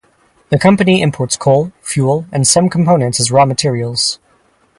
The company imports coal, fuel and some components as raw materials.